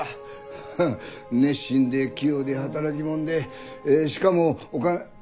ハハ熱心で器用で働き者でえしかもお金。